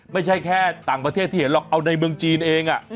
ไม่ใช่แค่ต่างประเทศที่เห็นหรอกเอาในเมืองจีนเอง